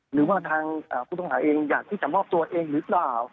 หรือว่าทางผู้ต้องหาเองอยากที่จะมอบตัวเองหรือเปล่า